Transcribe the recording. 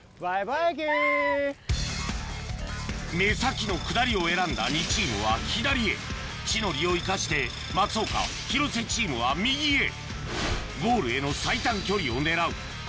目先の下りを選んだ２チームは左へ地の利を生かして松岡・広瀬チームは右へゴールへの最短距離を狙う